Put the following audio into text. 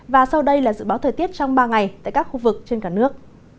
và sau đây là dự báo thời tiết trong ba ngày tại các khu vực trên cả nước